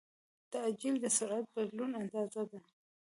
تعجیل د سرعت د بدلون اندازه ده.